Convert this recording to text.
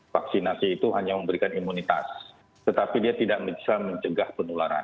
vaksinasi itu hanya memberikan imunitas tetapi dia tidak bisa mencegah penularan